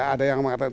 ada yang mengatakan